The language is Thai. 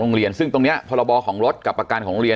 โรงเรียนซึ่งตรงนี้พรบของรถกับประกันของโรงเรียน